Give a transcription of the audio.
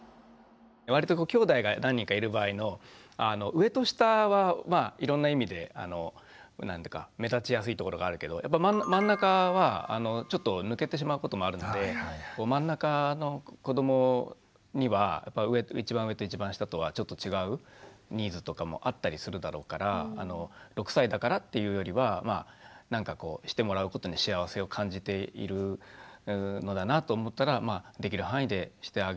わりときょうだいが何人かいる場合の上と下はいろんな意味で目立ちやすいところがあるけどやっぱり真ん中はちょっと抜けてしまうこともあるので真ん中の子どもには一番上と一番下とはちょっと違うニーズとかもあったりするだろうから６歳だからっていうよりはなんかこうしてもらうことに幸せを感じているのだなと思ったらできる範囲でしてあげる。